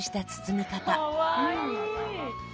かわいい。